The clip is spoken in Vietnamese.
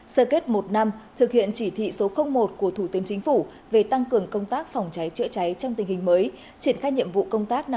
sơ kết một năm thực hiện chỉ thị số một của thủ tướng chính phủ về tăng cường công tác phòng cháy chữa cháy trong tình hình mới triển khai nhiệm vụ công tác năm hai nghìn hai mươi